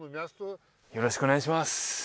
よろしくお願いします